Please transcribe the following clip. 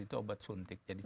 itu obat suntik jadi